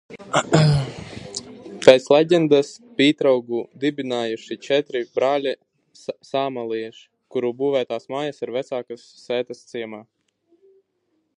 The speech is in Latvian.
Pēc leģendas, Pitragu dibinājuši četri brāļi sāmsalieši, kuru būvētās mājas ir vecākās sētas ciemā.